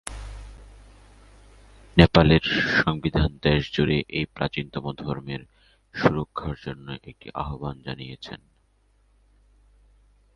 নেপালের সংবিধান দেশজুড়ে এই প্রাচীনতম ধর্মের সুরক্ষার জন্য একটি আহ্বান জানিয়েছে।